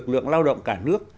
lượng lao động cả nước